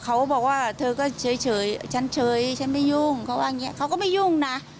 เขาบอกว่าเธอก็เฉยฉันเฉยฉันไม่ยุ่งเขาว่าอย่างนี้เขาก็ไม่ยุ่งนะ